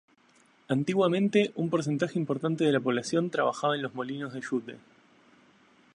Antiguamente un porcentaje importante de la población trabajaba en los molinos de yute.